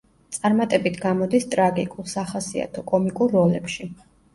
წარმატებით გამოდის ტრაგიკულ, სახასიათო, კომიკურ როლებში.